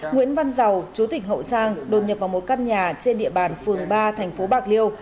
nguyễn văn giàu chú tỉnh hậu giang đột nhập vào một căn nhà trên địa bàn phường ba thành phố bạc liêu